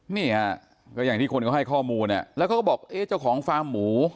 นี่ฮะก็อย่างที่คนเขาให้ข้อมูลแล้วเขาก็บอกเอ๊ะเจ้าของฟาร์มหมู